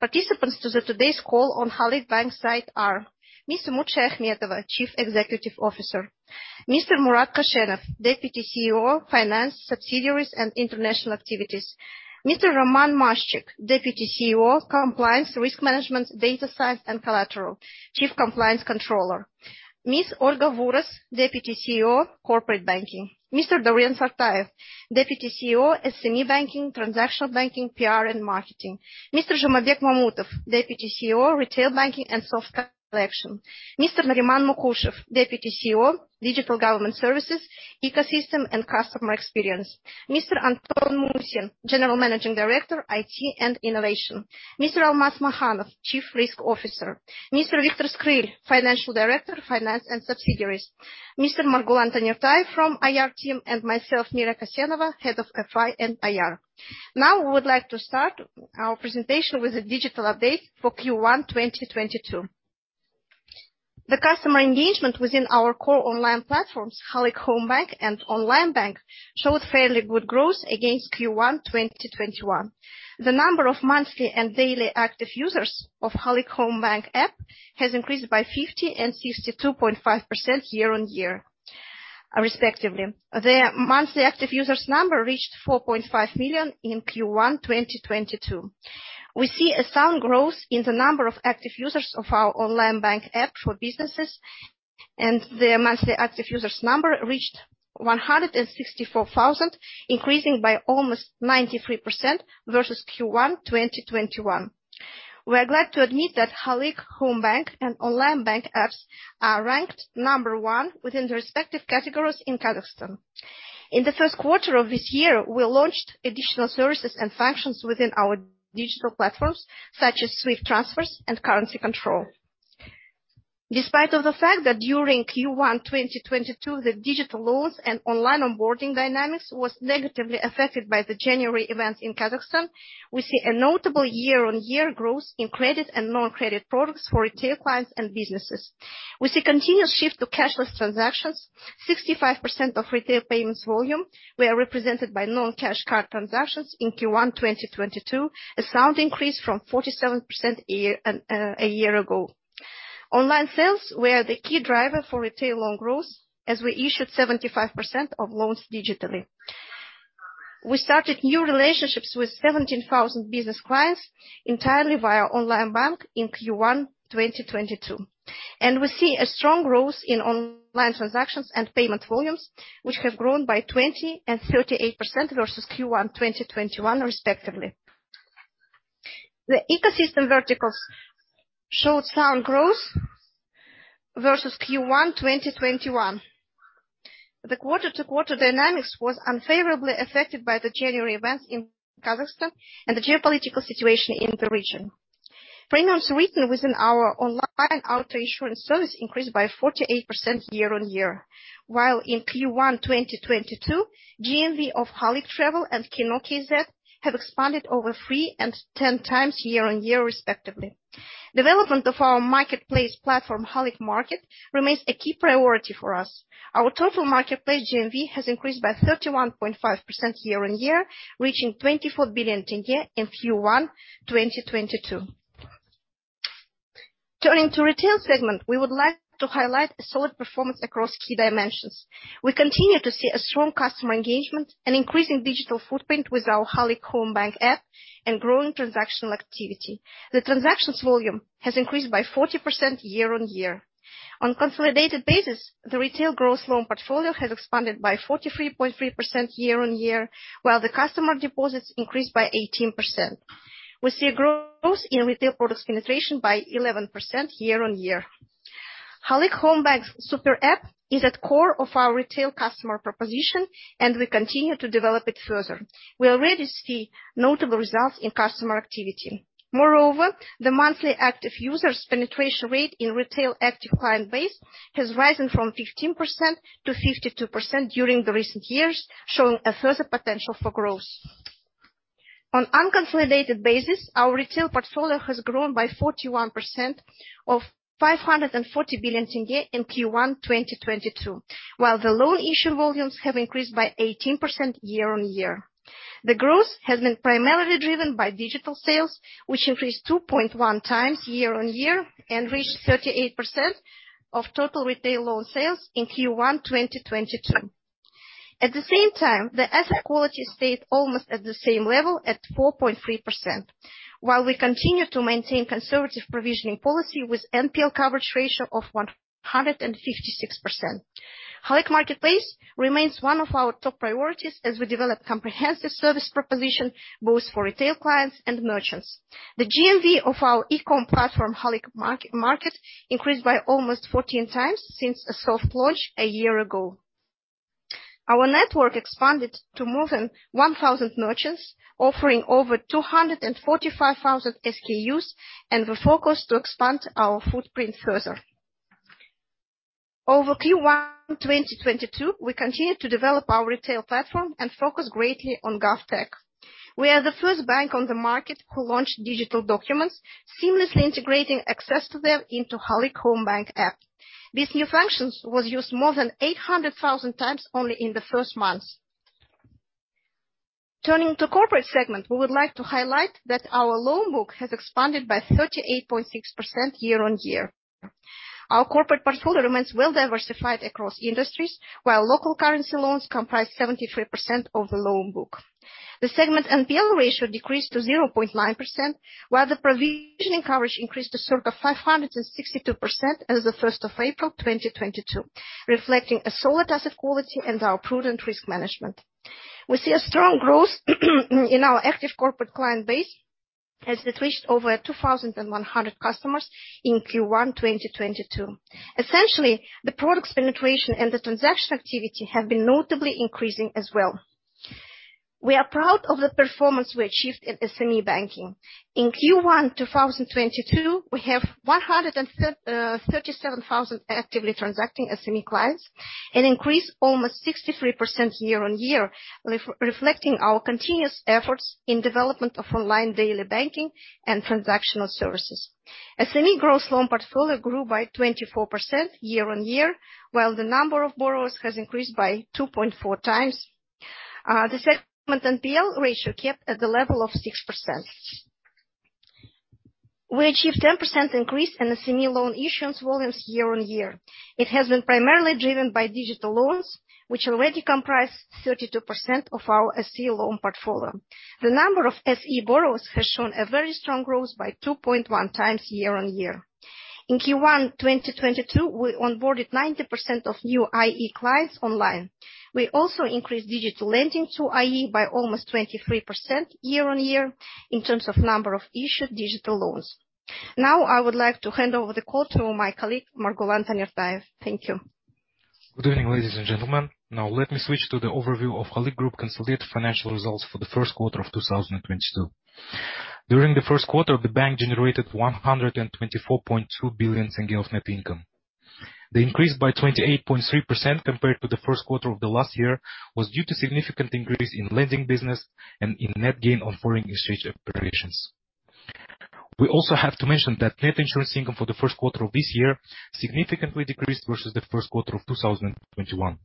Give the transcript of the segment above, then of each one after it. Participants on today's call on Halyk Bank side are: Ms. Umut Shayakhmetova, Chief Executive Officer, Mr. Murat Koshenov, Deputy CEO, Finance, Subsidiaries and International Activities, Mr. Roman Maszczyk, Deputy CEO, Compliance, Risk Management, Data Science and Collateral, Chief Compliance Controller, Ms. Olga Vuros, Deputy CEO, Corporate Banking, Mr. Dauren Sartayev, Deputy CEO, SME Banking, Transactional Banking, PR and Marketing, Mr. Zhumabek Mamutov, Deputy CEO, Retail Banking and Soft Collection, Mr. Nariman Mukushev, Deputy CEO, Digital Government Services, Ecosystem and Customer Experience, Mr. Anton Musin, General Managing Director, IT and Innovation, Mr. Almas Makhanov, Chief Risk Officer, Mr. Viktor Skryl, Financial Director, Finance and Subsidiaries, Mr. Margulan Tanirtayev from IR team, and myself, Mira Kasenova, Head of FI and IR. Now we would like to start our presentation with a digital update for Q1 2022. The customer engagement within our core online platforms, Halyk Homebank and Onlinebank, showed fairly good growth against Q1 2021. The number of monthly and daily active users of Halyk Homebank app has increased by 50% and 62.5% year-on-year, respectively. The monthly active users number reached 4.5 million in Q1 2022. We see a sound growth in the number of active users of our Onlinebank app for businesses, and the monthly active users number reached 164,000, increasing by almost 93% versus Q1 2021. We are glad to admit that Halyk Homebank and Onlinebank apps are ranked number one within the respective categories in Kazakhstan. In the Q1 of this year, we launched additional services and functions within our digital platforms, such as SWIFT transfers and currency control. Despite of the fact that during Q1 2022, the digital loans and online onboarding dynamics was negatively affected by the January events in Kazakhstan, we see a notable year-on-year growth in credit and non-credit products for retail clients and businesses. We see continuous shift to cashless transactions. 65% of retail payments volume were represented by non-cash card transactions in Q1 2022, a sound increase from 47% a year ago. Online sales were the key driver for retail loan growth as we issued 75% of loans digitally. We started new relationships with 17,000 business clients entirely via Onlinebank in Q1 2022, and we see a strong growth in online transactions and payment volumes, which have grown by 20% and 38% versus Q1 2021, respectively. The ecosystem verticals showed sound growth versus Q1 2021. The quarter-to-quarter dynamics was unfavorably affected by the January events in Kazakhstan and the geopolitical situation in the region. Premiums written within our online auto insurance service increased by 48% year-over-year, while in Q1 2022, GMV of Halyk Travel and Kino.KZ have expanded over 3 and 10 times year-over-year respectively. Development of our marketplace platform, Halyk Market, remains a key priority for us. Our total marketplace GMV has increased by 31.5% year-over-year, reaching KZT 24 billion in Q1 2022. Turning to retail segment, we would like to highlight a solid performance across key dimensions. We continue to see a strong customer engagement, an increasing digital footprint with our Halyk Homebank app, and growing transactional activity. The transactions volume has increased by 40% year-over-year. On consolidated basis, the retail gross loan portfolio has expanded by 43.3% year-on-year, while the customer deposits increased by 18%. We see a growth in retail products penetration by 11% year-on-year. Halyk Homebank super app is at core of our retail customer proposition, and we continue to develop it further. We already see notable results in customer activity. Moreover, the monthly active users penetration rate in retail active client base has risen from 15% to 52% during the recent years, showing a further potential for growth. On unconsolidated basis, our retail portfolio has grown by 41% to KZT 540 billion in Q1 2022, while the loan issue volumes have increased by 18% year-on-year. The growth has been primarily driven by digital sales, which increased 2.1 times year-on-year and reached 38% of total retail loan sales in Q1 2022. At the same time, the asset quality stayed almost at the same level at 4.3%, while we continue to maintain conservative provisioning policy with NPL coverage ratio of 156%. Halyk Market remains one of our top priorities as we develop comprehensive service proposition both for retail clients and merchants. The GMV of our ecom platform, Halyk Market, increased by almost 14 times since a soft launch a year ago. Our network expanded to more than 1,000 merchants offering over 245,000 SKUs, and we're focused to expand our footprint further. Over Q1 2022, we continued to develop our retail platform and focus greatly on GovTech. We are the first bank on the market who launched digital documents, seamlessly integrating access to them into Halyk Homebank app. These new functions was used more than 800,000 times only in the first months. Turning to corporate segment, we would like to highlight that our loan book has expanded by 38.6% year-on-year. Our corporate portfolio remains well diversified across industries, while local currency loans comprise 73% of the loan book. The segment NPL ratio decreased to 0.9%, while the provisioning coverage increased to sort of 562% as of the first of April 2022, reflecting a solid asset quality and our prudent risk management. We see a strong growth in our active corporate client base, as it reached over 2,100 customers in Q1 2022. Essentially, the products penetration and the transaction activity have been notably increasing as well. We are proud of the performance we achieved in SME banking. In Q1 2022, we have 137,000 actively transacting SME clients, an increase almost 63% year-on-year, reflecting our continuous efforts in development of online daily banking and transactional services. SME gross loan portfolio grew by 24% year-on-year, while the number of borrowers has increased by 2.4 times. The segment NPL ratio kept at the level of 6%. We achieved 10% increase in SME loan issuance volumes year-on-year. It has been primarily driven by digital loans, which already comprise 32% of our SME loan portfolio. The number of SME borrowers has shown a very strong growth by 2.1 times year-on-year. In Q1 2022, we onboarded 90% of new IE clients online. We also increased digital lending to IE by almost 23% year-over-year in terms of number of issued digital loans. Now, I would like to hand over the call to my colleague, Margulan Tanirtayev. Thank you. Good evening, ladies and gentlemen. Now let me switch to the overview of Halyk Group consolidated financial results for the Q1 of 2022. During the Q1, the bank generated KZT 124.2 billion of net income. The increase by 28.3% compared to the Q1 of the last year was due to significant increase in lending business and in net gain on foreign exchange operations. We also have to mention that net insurance income for the Q1 of this year significantly decreased versus the Q1 of 2021.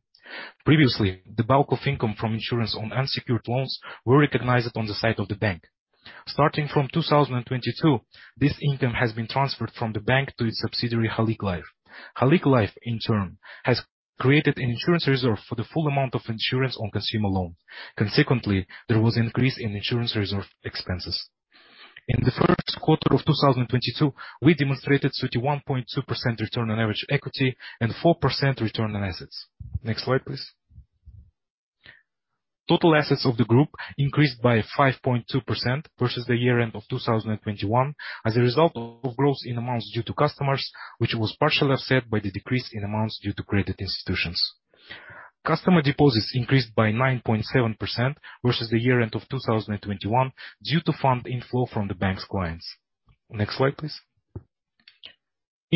Previously, the bulk of income from insurance on unsecured loans were recognized on the side of the bank. Starting from 2022, this income has been transferred from the bank to its subsidiary, Halyk-Life. Halyk-Life, in turn, has created an insurance reserve for the full amount of insurance on consumer loans. Consequently, there was increase in insurance reserve expenses. In the Q1 of 2022, we demonstrated 31.2% return on average equity and 4% return on assets. Next slide, please. Total assets of the group increased by 5.2% versus the year-end of 2021 as a result of growth in amounts due to customers, which was partially offset by the decrease in amounts due to credit institutions. Customer deposits increased by 9.7% versus the year-end of 2021 due to fund inflow from the bank's clients. Next slide, please.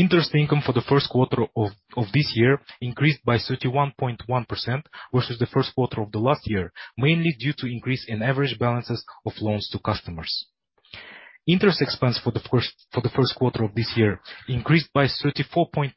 Interest income for the Q1 of this year increased by 31.1% versus the Q1 of the last year, mainly due to increase in average balances of loans to customers. Interest expense for the Q1 of this year increased by 34.9%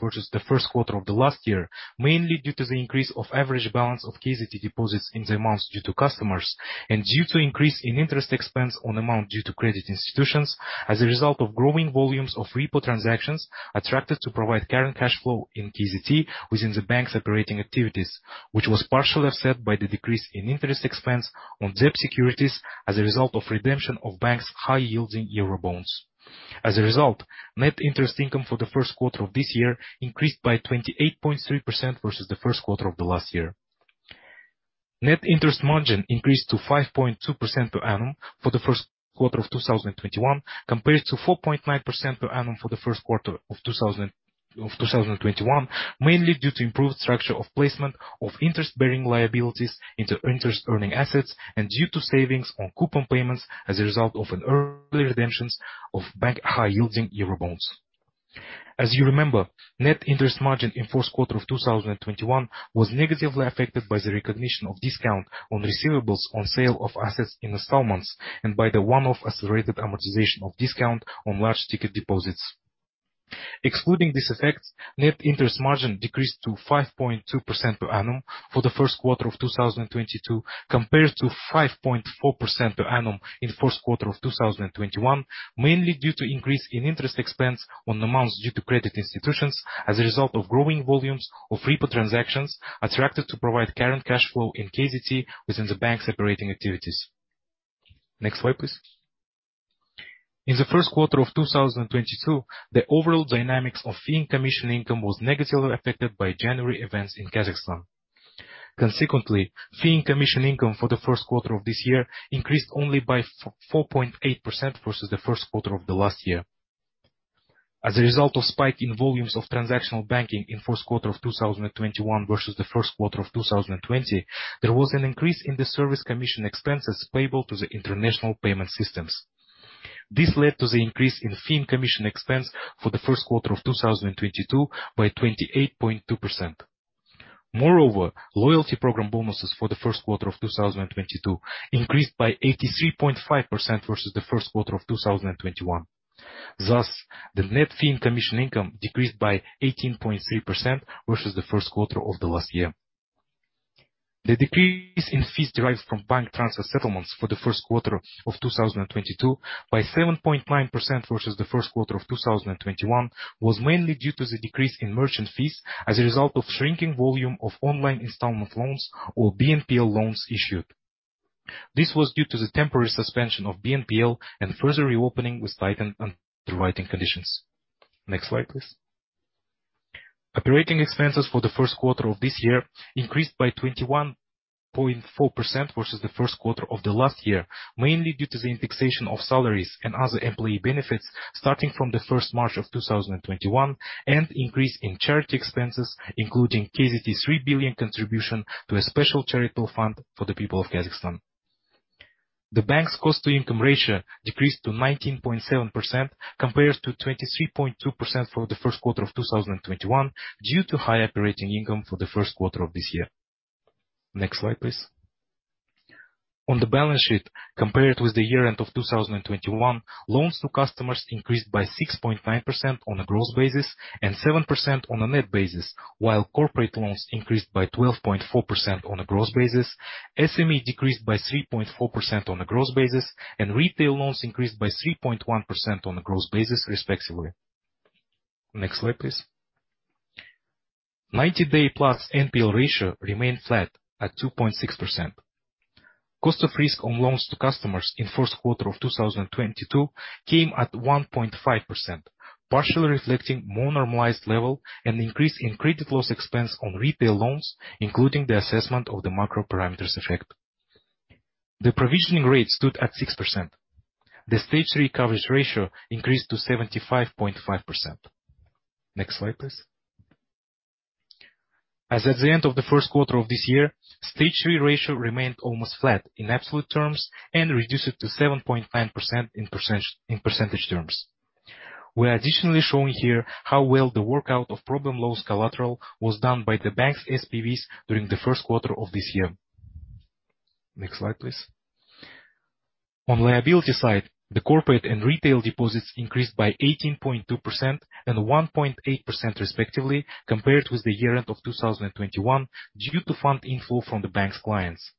versus the Q1 of the last year, mainly due to the increase of average balance of KZT deposits in the amounts due to customers and due to increase in interest expense on amount due to credit institutions as a result of growing volumes of repo transactions attracted to provide current cash flow in KZT within the bank's operating activities, which was partially offset by the decrease in interest expense on debt securities as a result of redemption of bank's high yielding eurobonds. As a result, net interest income for the Q1 of this year increased by 28.3% versus the Q1 of the last year. Net interest margin increased to 5.2% per annum for the Q1 of 2021 compared to 4.9% per annum for the Q1 of 2020, mainly due to improved structure of placement of interest bearing liabilities into interest earning assets and due to savings on coupon payments as a result of an early redemption of bank high yielding eurobonds. As you remember, net interest margin in Q1 of 2021 was negatively affected by the recognition of discount on receivables on sale of assets in installments and by the one-off accelerated amortization of discount on large ticket deposits. Excluding this effect, net interest margin decreased to 5.2% per annum for the Q1 of 2022 compared to 5.4% per annum in Q1 of 2021, mainly due to increase in interest expense on amounts due to credit institutions as a result of growing volumes of repo transactions attracted to provide current cash flow in KZT within the bank's operating activities. Next slide, please. In the Q1 of 2022, the overall dynamics of fee and commission income was negatively affected by January events in Kazakhstan. Consequently, fee and commission income for the Q1 of this year increased only by four point eight percent versus the Q1 of the last year. As a result of spike in volumes of transactional banking in Q1 of 2021 versus the Q1 of 2020, there was an increase in the service commission expenses payable to the international payment systems. This led to the increase in fee and commission expense for the Q1 of 2022 by 28.2%. Moreover, loyalty program bonuses for the Q1 of 2022 increased by 83.5% versus the Q1 of 2021. Thus, the net fee and commission income decreased by 18.3% versus the Q1 of the last year. The decrease in fees derived from bank transfer settlements for the Q1 of 2022 by 7.9% versus the Q1 of 2021 was mainly due to the decrease in merchant fees as a result of shrinking volume of online installment loans or BNPL loans issued. This was due to the temporary suspension of BNPL and further reopening with tightened underwriting conditions. Next slide, please. Operating expenses for the Q1 of this year increased by 21.4% versus the Q1 of the last year, mainly due to the indexation of salaries and other employee benefits starting from the first of March 2021, and increase in charity expenses, including KZT 3 billion contribution to a special charitable fund for the people of Kazakhstan. The bank's cost-to-income ratio decreased to 19.7% compared to 23.2% for the Q1 of 2021 due to high operating income for the Q1 of this year. Next slide, please. On the balance sheet, compared with the year end of 2021, loans to customers increased by 6.9% on a gross basis and 7% on a net basis, while corporate loans increased by 12.4% on a gross basis, SME decreased by 3.4% on a gross basis, and retail loans increased by 3.1% on a gross basis respectively. Next slide, please. Ninety-day plus NPL ratio remained flat at 2.6%. Cost of risk on loans to customers in Q1 of 2022 came at 1.5%, partially reflecting more normalized level and increase in credit loss expense on retail loans, including the assessment of the macro parameters effect. The provisioning rate stood at 6%. The stage three coverage ratio increased to 75.5%. Next slide, please. As at the end of the Q1 of this year, stage three ratio remained almost flat in absolute terms and reduced to 7.9% in percent, in percentage terms. We are additionally showing here how well the workout of problem loans collateral was done by the bank's SPVs during the Q1 of this year. Next slide, please. On liability side, the corporate and retail deposits increased by 18.2% and 1.8% respectively compared with the year end of 2021 due to fund inflow from the bank's clients.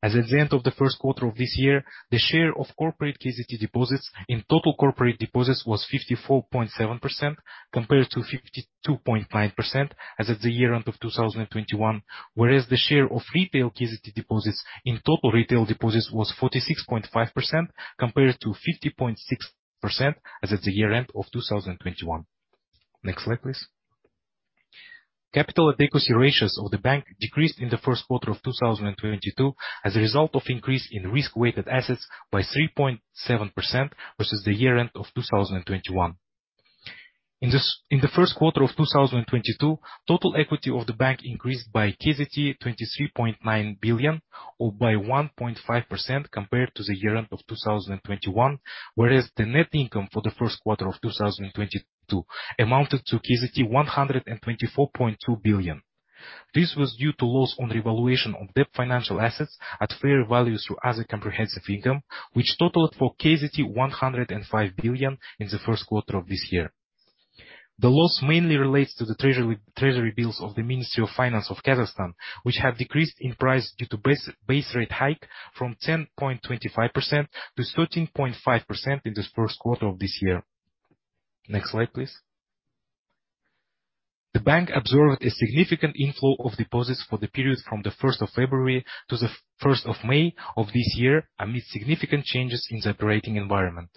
As at the end of the Q1 of this year, the share of corporate KZT deposits in total corporate deposits was 54.7% compared to 52.9% as at the year end of 2021. Whereas the share of retail KZT deposits in total retail deposits was 46.5% compared to 50.6% as at the year end of 2021. Next slide, please. Capital adequacy ratios of the bank decreased in the Q1 of 2022 as a result of increase in risk-weighted assets by 3.7% versus the year end of 2021. In the Q1 of 2022, total equity of the bank increased by KZT 23.9 billion or by 1.5% compared to the year end of 2021. Whereas the net income for the Q1 of 2022 amounted to KZT 124.2 billion. This was due to loss on revaluation of debt financial assets at fair values through other comprehensive income, which totaled KZT 105 billion in the Q1 of this year. The loss mainly relates to the treasury bills of the Ministry of Finance of Kazakhstan, which have decreased in price due to base rate hike from 10.25% to 13.5% in this Q1 of this year. Next slide, please. The bank observed a significant inflow of deposits for the period from the first of February to the 1st of May of this year amid significant changes in the operating environment.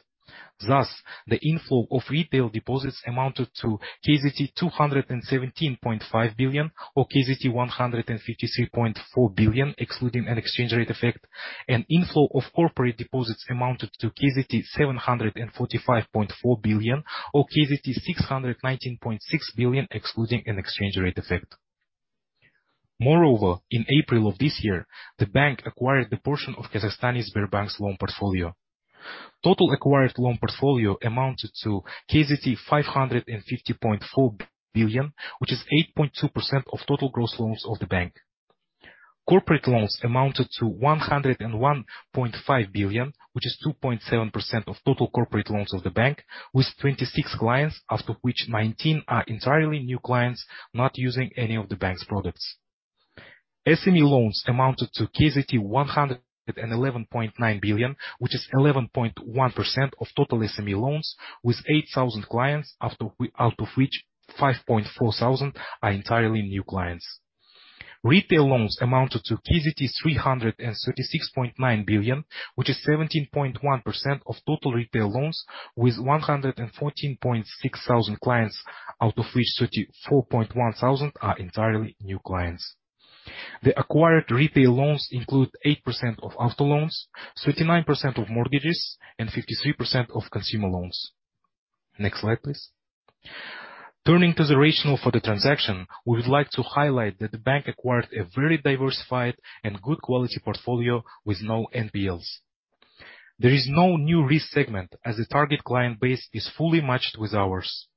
Thus, the inflow of retail deposits amounted to KZT 217.5 billion, or KZT 153.4 billion, excluding an exchange rate effect, and inflow of corporate deposits amounted to KZT 745.4 billion or KZT 619.6 billion excluding an exchange rate effect. Moreover, in April of this year, the bank acquired a portion of Kazakhstan Eximbank's loan portfolio. Total acquired loan portfolio amounted to KZT 550.4 billion, which is 8.2% of total gross loans of the bank. Corporate loans amounted to KZT 101.5 billion, which is 2.7% of total corporate loans of the bank, with 26 clients, out of which 19 are entirely new clients not using any of the bank's products. SME loans amounted to KZT 111.9 billion, which is 11.1% of total SME loans, with 8,000 clients out of which 5,400 are entirely new clients. Retail loans amounted to KZT 336.9 billion, which is 17.1% of total retail loans with 114,600 clients, out of which 34,100 are entirely new clients. The acquired retail loans include 8% of auto loans, 39% of mortgages, and 53% of consumer loans. Next slide, please. Turning to the rationale for the transaction, we would like to highlight that the bank acquired a very diversified and good quality portfolio with no NPLs. There is no new risk segment as the target client base is fully matched with ours.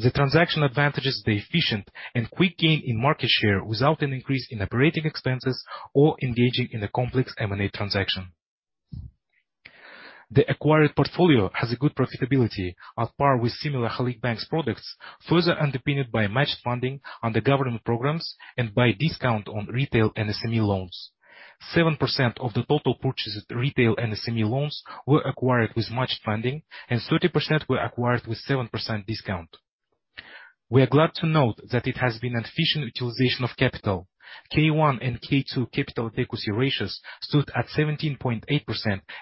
The transaction advances the efficient and quick gain in market share without an increase in operating expenses or engaging in a complex M&A transaction. The acquired portfolio has a good profitability on par with similar Halyk Bank's products, further underpinned by matched funding on the government programs and by discount on retail and SME loans. 7% of the total purchased retail and SME loans were acquired with matched funding, and 30% were acquired with 7% discount. We are glad to note that it has been an efficient utilization of capital. K1 and K2 capital adequacy ratios stood at 17.8%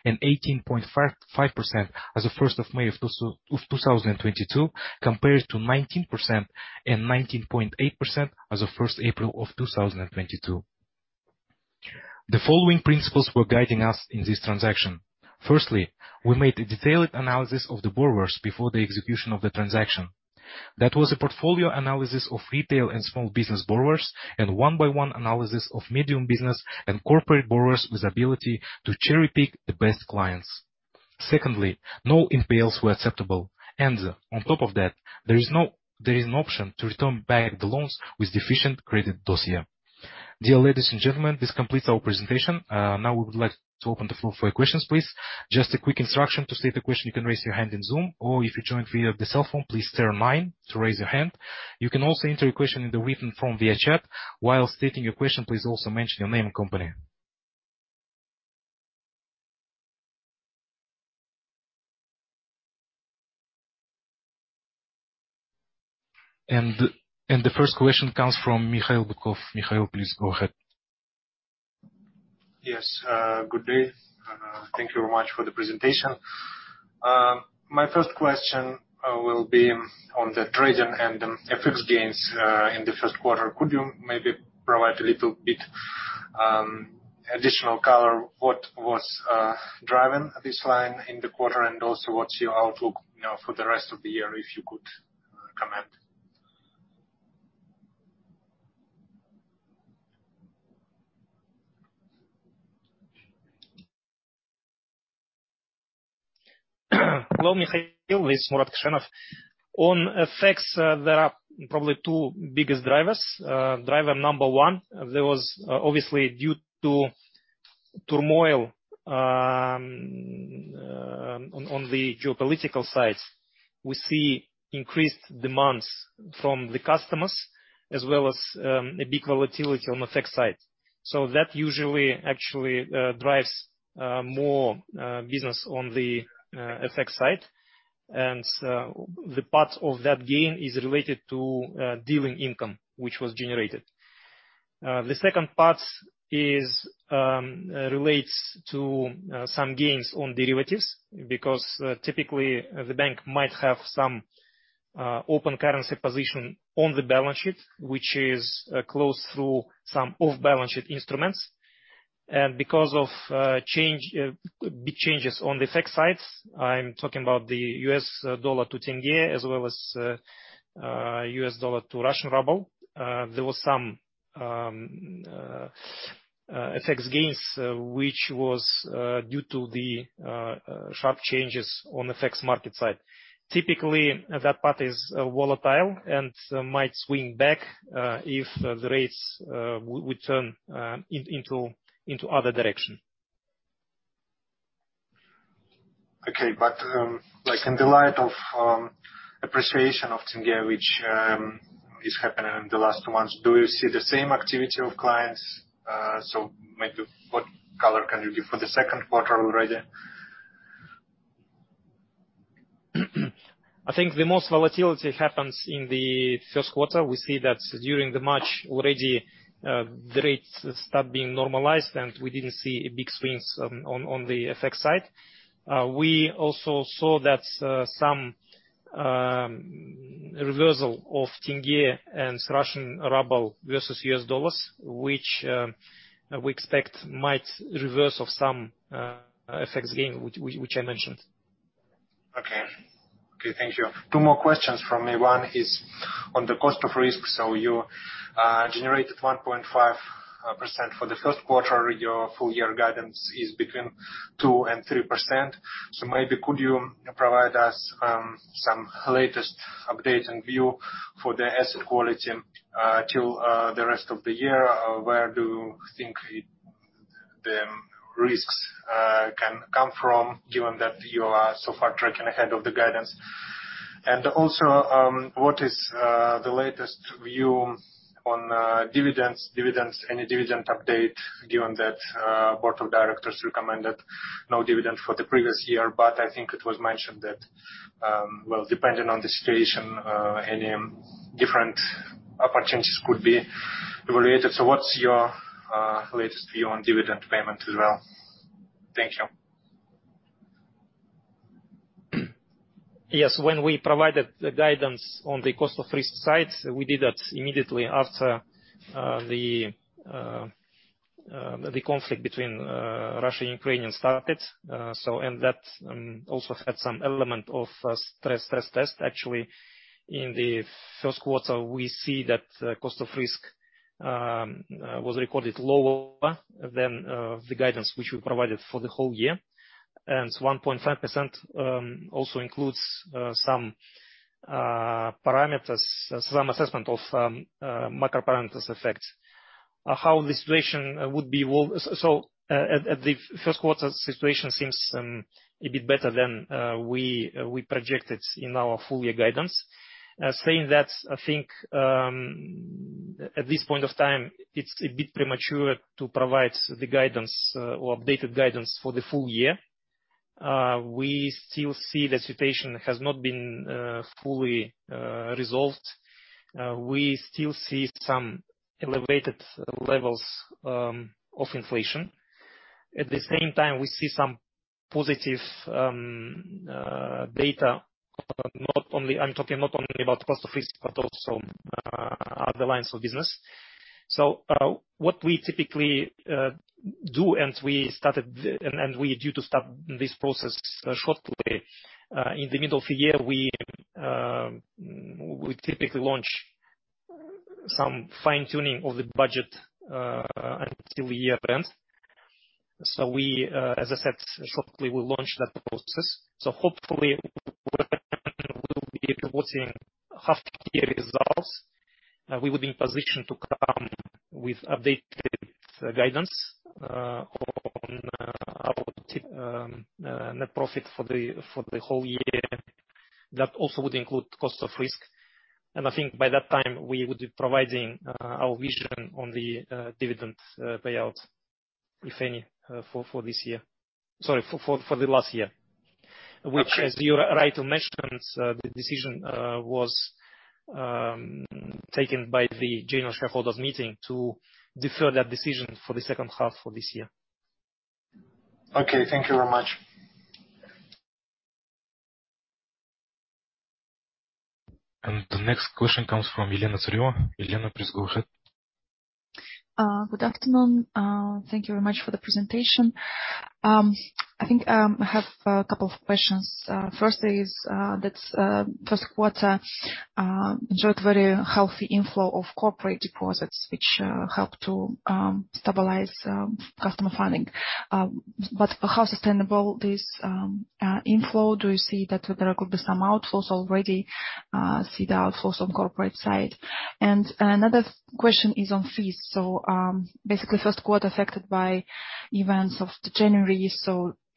and 18.5% as of 1 May 2022, compared to 19% and 19.8% as of 1 April 2022. The following principles were guiding us in this transaction. Firstly, we made a detailed analysis of the borrowers before the execution of the transaction. That was a portfolio analysis of retail and small business borrowers, and one-by-one analysis of medium business and corporate borrowers with ability to cherry-pick the best clients. Secondly, no NPLs were acceptable. On top of that, there is an option to return back the loans with deficient credit dossier. Dear ladies and gentlemen, this completes our presentation. Now we would like to open the floor for your questions, please. Just a quick instruction. To state a question, you can raise your hand in Zoom, or if you joined via the cell phone, please star nine to raise your hand. You can also enter your question in the written form via chat. While stating your question, please also mention your name and company. The first question comes from Mikhail Bukov. Mikhail, please go ahead. Yes, good day. Thank you very much for the presentation. My first question will be on the trading and FX gains in the Q1. Could you maybe provide a little bit additional color what was driving this line in the quarter, and also what's your outlook, you know, for the rest of the year, if you could comment? Hello, Mikhail. This is Murat Koshenov. On FX, there are probably two biggest drivers. Driver number one, there was obviously due to turmoil on the geopolitical side. We see increased demands from the customers as well as a big volatility on the FX side. That usually actually drives more business on the FX side. The part of that gain is related to dealing income, which was generated. The second part relates to some gains on derivatives because typically the bank might have some open currency position on the balance sheet, which is closed through some off-balance sheet instruments. Because of change big changes on the FX side, I'm talking about the US dollar to tenge as well as US dollar to Russian ruble, there was some FX gains which was due to the sharp changes on the FX market side. Typically, that part is volatile and might swing back if the rates would turn into other direction. Okay. Like, in the light of appreciation of tenge, which is happening in the last months, do you see the same activity of clients? Maybe what color can you give for the Q2 already? I think the most volatility happens in the Q1. We see that during March already, the rates start being normalized, and we didn't see big swings on the FX side. We also saw that some reversal of tenge and Russian ruble versus US dollars, which we expect might reverse some FX gain which I mentioned. Okay, thank you. Two more questions from me. One is on the cost of risk. You generated 1.5% for the Q1. Your full year guidance is between 2%-3%. Maybe could you provide us some latest update and view for the asset quality till the rest of the year? Where do you think the risks can come from, given that you are so far tracking ahead of the guidance? Also, what is the latest view on dividends, any dividend update, given that board of directors recommended no dividend for the previous year? I think it was mentioned that, well, depending on the situation, any different opportunities could be evaluated. What's your latest view on dividend payment as well? Thank you. Yes. When we provided the guidance on the cost of risk side, we did that immediately after the conflict between Russia and Ukraine started. That also had some element of stress test. Actually, in the Q1 we see that the cost of risk was recorded lower than the guidance which we provided for the whole year. 1.5% also includes some parameters, some assessment of some macro parameters effect. How the situation would be well, so at the Q1 situation seems a bit better than we projected in our full year guidance. Saying that, I think at this point of time, it's a bit premature to provide the guidance or updated guidance for the full year. We still see the situation has not been fully resolved. We still see some elevated levels of inflation. At the same time, we see some positive data, but not only, I'm talking not only about cost of risk, but also other lines of business. What we typically do, and we started and we due to start this process shortly in the middle of the year, we typically launch some fine-tuning of the budget until year-end. As I said, shortly, we'll launch that process. Hopefully, we'll be promoting half-year results. We will be in position to come with updated guidance on our net profit for the whole year. That also would include cost of risk. I think by that time we would be providing our vision on the dividend payout, if any, for this year. Sorry, for the last year. Which, as you are right to mention, the decision was taken by the general shareholders meeting to defer that decision for the second half of this year. Okay, thank you very much. The next question comes from Elena Tsareva. Elena, please go ahead. Good afternoon. Thank you very much for the presentation. I think I have a couple of questions. First is that Q1 enjoyed very healthy inflow of corporate deposits, which helped to stabilize customer funding. How sustainable this inflow? Do you see that there could be some outflows already on corporate side? Another question is on fees. Basically Q1 affected by events of January.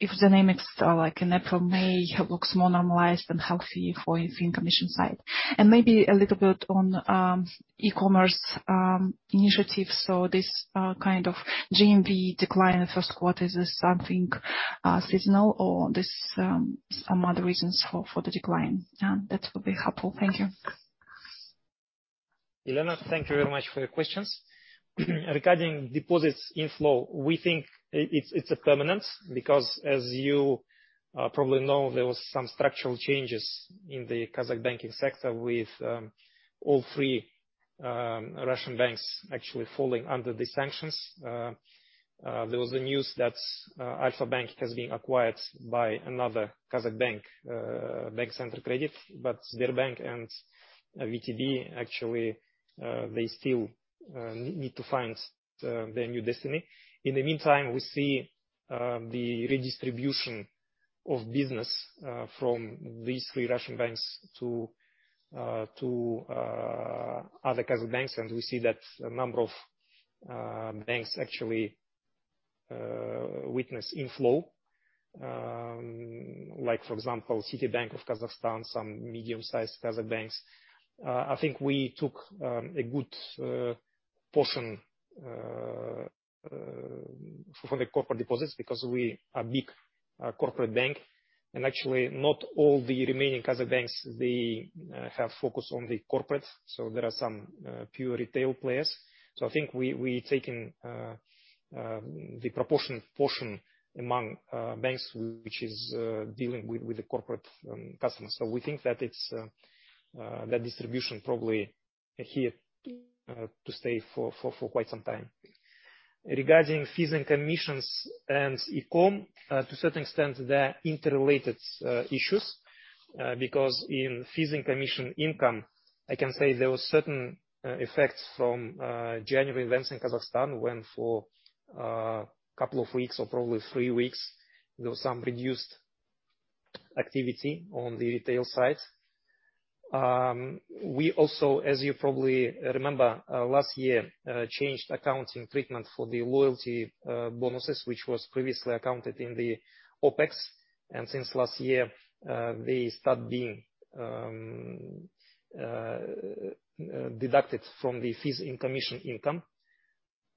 If the dynamics are like in April, May, it looks more normalized and healthy for fee and commission side. Maybe a little bit on e-commerce initiatives. This kind of GMV decline in Q1. Is this something seasonal or this some other reasons for the decline? That would be helpful. Thank you. Elena, thank you very much for your questions. Regarding deposits inflow, we think it's permanent because as you probably know, there was some structural changes in the Kazakh banking sector with all three Russian banks actually falling under the sanctions. There was the news that Alfa-Bank Kazakhstan has been acquired by another Kazakh bank, Bank CenterCredit, but Sberbank and VTB Bank actually they still need to find their new destiny. In the meantime, we see the redistribution of business from these three Russian banks to other Kazakh banks, and we see that a number of banks actually witness inflow. Like for example, Citibank Kazakhstan, some medium-sized Kazakh banks. I think we took a good portion from the corporate deposits because we are big corporate bank, and actually not all the remaining Kazakh banks they have focus on the corporate. There are some pure retail players. I think we're taking the portion among banks which is dealing with the corporate customers. We think that it's that distribution probably here to stay for quite some time. Regarding fees and commissions and e-com, to a certain extent, they're interrelated issues, because in fees and commission income, I can say there was certain effects from January events in Kazakhstan when for couple of weeks or probably three weeks, there was some reduced activity on the retail side. We also, as you probably remember, last year, changed accounting treatment for the loyalty bonuses, which was previously accounted in the OpEx. Since last year, they start being deducted from the fees and commission income.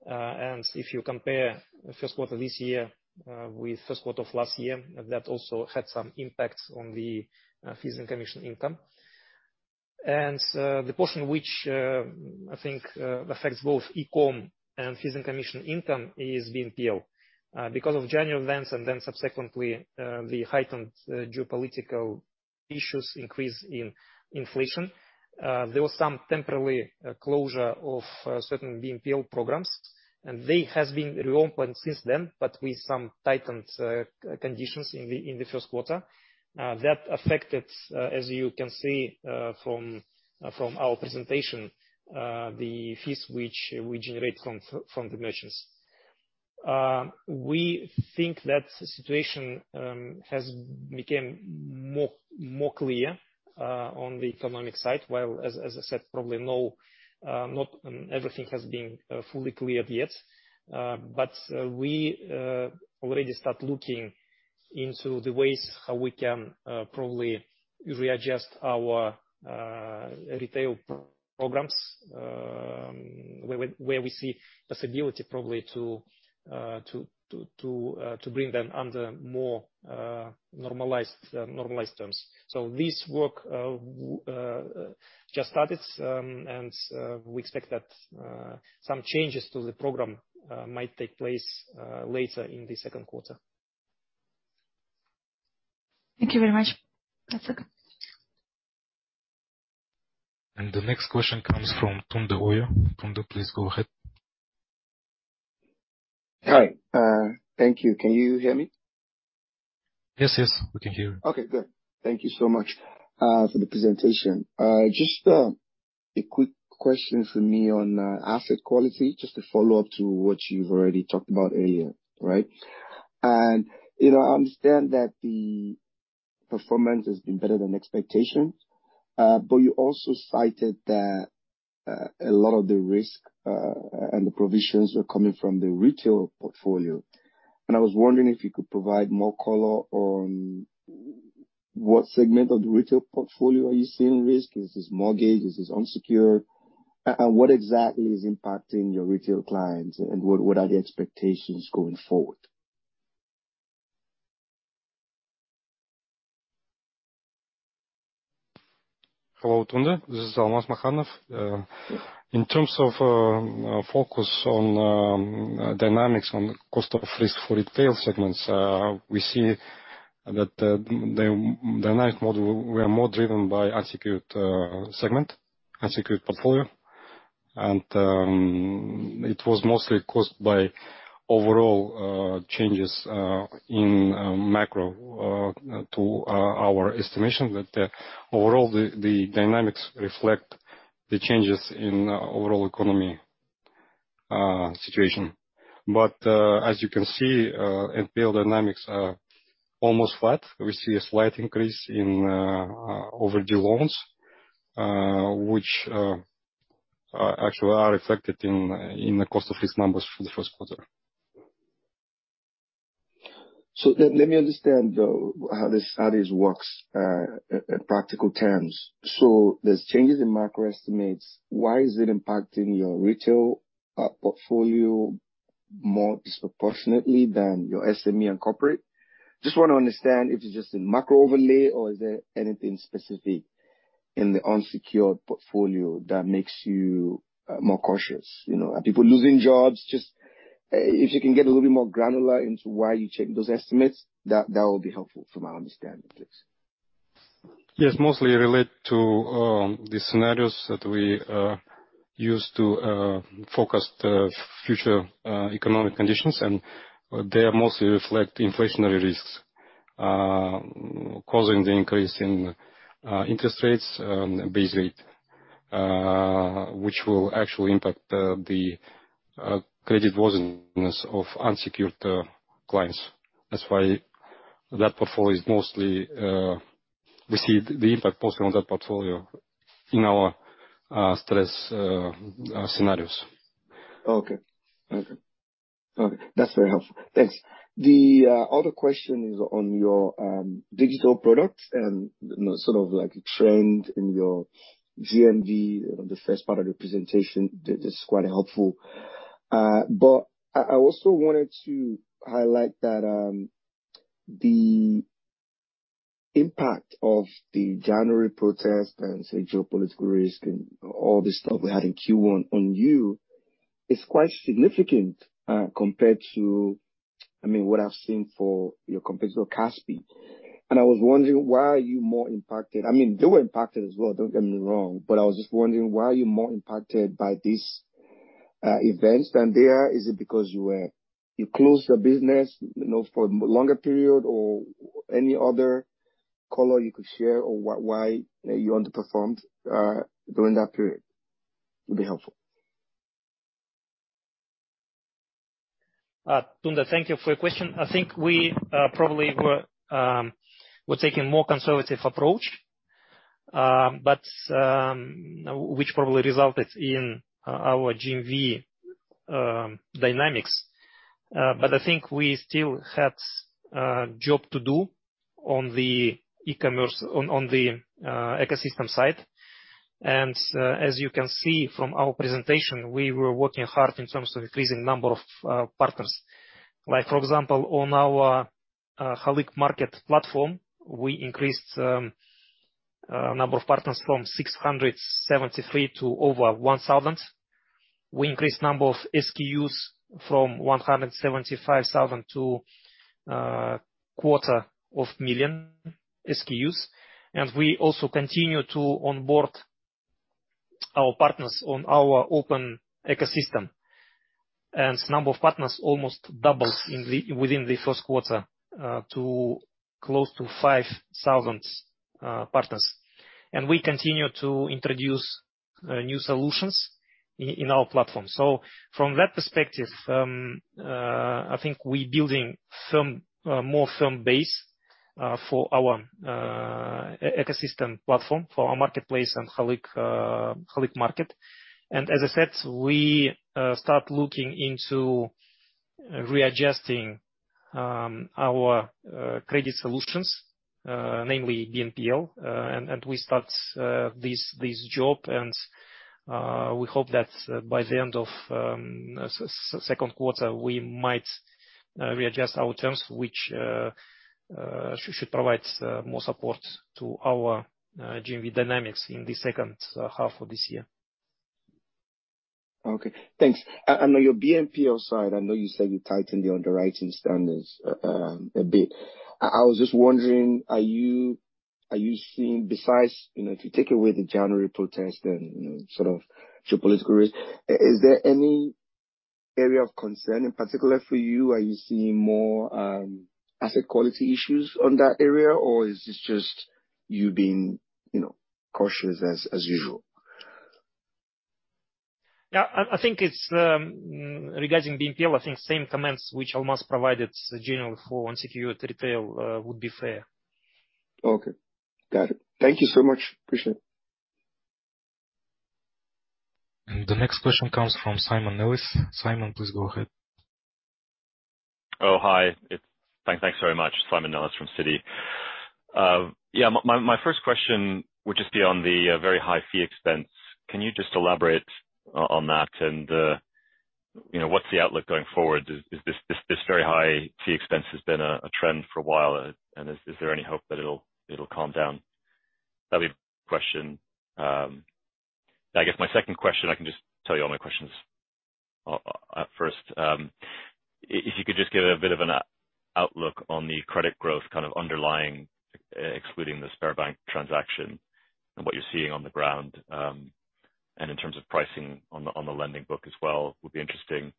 If you compare Q1 this year, with Q1 of last year, that also had some impact on the fees and commission income. The portion which, I think, affects both e-com and fees and commission income is BNPL. Because of January events and then subsequently, the heightened geopolitical issues increase in inflation, there was some temporary closure of certain BNPL programs, and they have been reopened since then, but with some tightened conditions in the Q1. That affected, as you can see, from our presentation, the fees which we generate from the merchants. We think that the situation has became more clear on the economic side, while, as I said, probably not everything has been fully cleared yet. We already start looking into the ways how we can probably readjust our retail programs, where we see possibility probably to bring them under more normalized terms. This work just started, and we expect that some changes to the program might take place later in the Q2. Thank you very much. That's it. The next question comes from Tunde Ojo. Tunde, please go ahead. Hi. Thank you. Can you hear me? Yes, yes, we can hear you. Okay, good. Thank you so much for the presentation. Just a quick question from me on asset quality, just a follow-up to what you've already talked about earlier, right? You know, I understand that the performance has been better than expectations, but you also cited that a lot of the risk and the provisions are coming from the retail portfolio. I was wondering if you could provide more color on what segment of the retail portfolio are you seeing risk. Is this mortgage? Is this unsecured? And what exactly is impacting your retail clients, and what are the expectations going forward? Hello, Tunde. This is Almas Makhanov. In terms of focus on dynamics on cost of risk for retail segments, we see that the dynamic model, we are more driven by unsecured segment, unsecured portfolio, and it was mostly caused by overall changes in macro to our estimation that overall, the dynamics reflect the changes in overall economy situation. As you can see, NPL dynamics are almost flat. We see a slight increase in overdue loans, which actually are reflected in the cost of risk numbers for the Q1. Let me understand how this works in practical terms. There are changes in macro estimates. Why is it impacting your retail portfolio more disproportionately than your SME and corporate? Just wanna understand if it's just a macro overlay or is there anything specific in the unsecured portfolio that makes you more cautious. You know, are people losing jobs? Just if you can get a little bit more granular into why you checked those estimates, that would be helpful for my understanding, please. Yes. Mostly relate to the scenarios that we use to forecast the future economic conditions. They mostly reflect inflationary risks causing the increase in interest rates, base rate, which will actually impact the creditworthiness of unsecured clients. That's why that portfolio is mostly we see the impact mostly on that portfolio in our stress scenarios. Okay. That's very helpful. Thanks. The other question is on your digital product and, you know, sort of like a trend in your GMV. You know, the first part of the presentation, that's quite helpful. But I also wanted to highlight that the impact of the January protest and, say, geopolitical risk and all this stuff we had in Q1 on you is quite significant, compared to, I mean, what I've seen for your competitor, Kaspi. I was wondering why are you more impacted? I mean, they were impacted as well, don't get me wrong, but I was just wondering why are you more impacted by these events than they are. Is it because you closed your business, you know, for a longer period or any other color you could share on why you underperformed during that period would be helpful? Tunde, thank you for your question. I think we probably were taking more conservative approach, but which probably resulted in our GMV dynamics. But I think we still had job to do on the e-commerce on the ecosystem side. As you can see from our presentation, we were working hard in terms of increasing number of partners. Like, for example, on our Halyk Market platform, we increased number of partners from 673 to over 1,000. We increased number of SKUs from 175,000 to quarter of a million SKUs. We also continue to onboard our partners on our open ecosystem. Number of partners almost doubled within the Q1 to close to 5,000 partners. We continue to introduce new solutions in our platform. From that perspective, I think we building firm more firm base for our ecosystem platform, for our marketplace and Halyk Market. As I said, we start looking into readjusting our credit solutions, namely BNPL. We start this job and we hope that by the end of Q2, we might readjust our terms, which should provide more support to our GMV dynamics in the second half of this year. Okay, thanks. I know your BNPL side. I know you said you tightened your underwriting standards a bit. I was just wondering, are you seeing besides, you know, if you take away the January protest and, you know, sort of geopolitical risk, is there any area of concern in particular for you? Are you seeing more asset quality issues on that area? Or is this just you being, you know, cautious as usual? Yeah. I think it's regarding BNPL. I think same comments which Almas provided generally for unsecured retail would be fair. Okay. Got it. Thank you so much. Appreciate it. The next question comes from Simon Nellis. Simon, please go ahead. Oh, hi. It's thanks very much. Simon Nellis from Citi. My first question would just be on the very high fee expense. Can you just elaborate on that and, you know, what's the outlook going forward? Is this very high fee expense has been a trend for a while, and is there any hope that it'll calm down? That'd be a question. I guess my second question, I can just tell you all my questions up first. If you could just give a bit of an outlook on the credit growth, kind of underlying, excluding the Sberbank transaction and what you're seeing on the ground, and in terms of pricing on the lending book as well, would be interesting.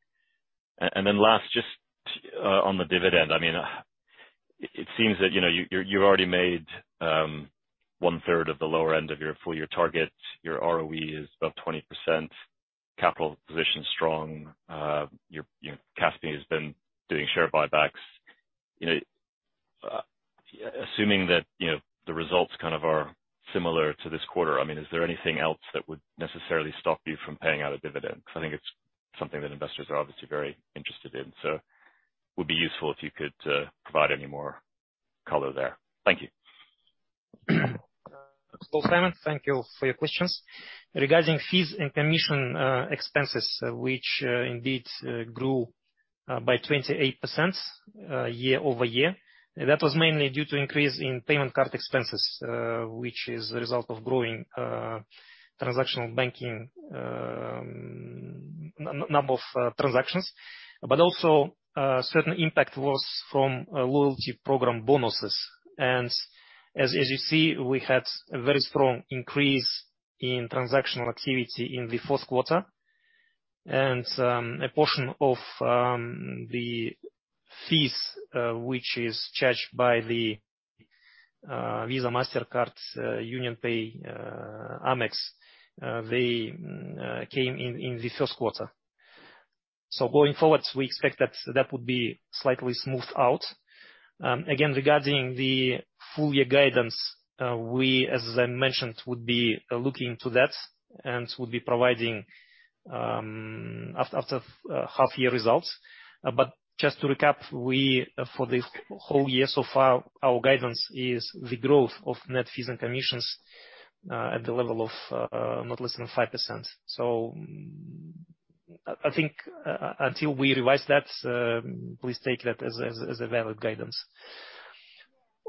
Last, just on the dividend, I mean, it seems that, you know, you've already made one-third of the lower end of your full year target. Your ROE is about 20%, capital position is strong. You know, management has been doing share buybacks. You know, assuming that the results kind of are similar to this quarter, I mean, is there anything else that would necessarily stop you from paying out a dividend? Because I think it's something that investors are obviously very interested in. Would be useful if you could provide any more color there. Thank you. Simon, thank you for your questions. Regarding fees and commission expenses, which indeed grew by 28% year-over-year, that was mainly due to increase in payment card expenses, which is the result of growing transactional banking number of transactions. Certain impact was from loyalty program bonuses. As you see, we had a very strong increase in transactional activity in the Q4. A portion of the fees which is charged by the Visa, Mastercard, UnionPay, Amex, they came in the Q1. Going forward, we expect that that would be slightly smoothed out. Again, regarding the full year guidance, we, as I mentioned, would be looking into that and would be providing after half year results. Just to recap, for this whole year so far, our guidance is the growth of net fees and commissions at the level of not less than 5%. I think until we revise that, please take that as a valid guidance.